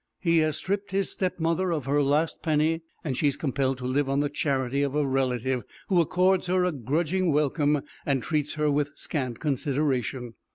He has stripped his stepmother of her last penny, and she is compelled to live on the charity of a relative, who accords her a grudging welcome, and treats her with scant consideration.